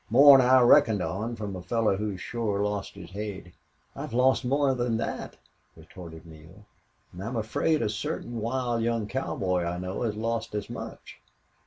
"More 'n I reckoned on from a fellar who's shore lost his haid." "I've lost more 'n that," retorted Neale, "and I'm afraid a certain wild young cowboy I know has lost as much."